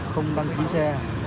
không đăng ký xe